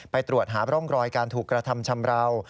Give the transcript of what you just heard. ไปตรวจหาร่องรอยการถูกกระทำชำราว